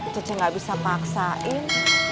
cece gak bisa paksain